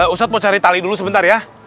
ustadz mau cari tali dulu sebentar ya